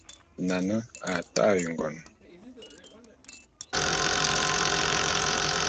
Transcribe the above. Nane a ta'e ngon.